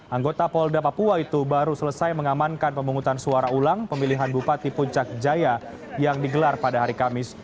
anggota polda papua itu baru selesai mengamankan pemungutan suara ulang pemilihan bupati puncak jaya yang digelar pada hari kamis